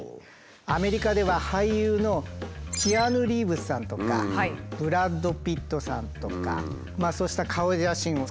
アメリカでは俳優のキアヌ・リーブスさんとかブラッド・ピットさんとかそうした顔写真を使ってですね